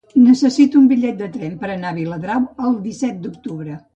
Necessito un bitllet de tren per anar a Viladrau el disset d'octubre.